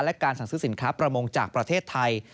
และการสั่งซื้อสินค้าประมงจากประเทศไทย